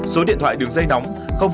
số điện thoại đường dây nóng